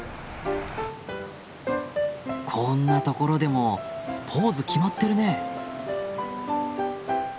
こんな所でもポーズ決まってるね！